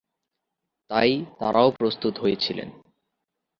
তাই তারাও প্রস্তুত হয়ে ছিলেন।